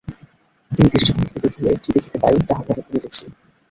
এই দৃষ্টিভঙ্গীতে দেখিলে কি দেখিতে পাই, তাহা পরে বলিতেছি।